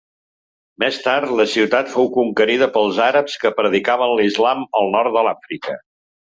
Més tard, la ciutat fou conquerida pels àrabs que predicaven l'Islam al nord d'Àfrica.